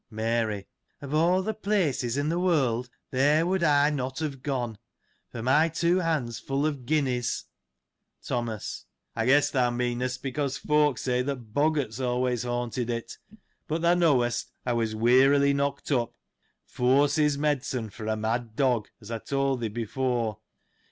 Mary. — Of all the places in the world there would I not have gone, for my two hands full of guineas. Thomas. — I guess thou meanest because folk say that boggarts always haunted it ; but thou knowest I was wearily knocked up ; force is medicine for a mad dog, as I told thee before.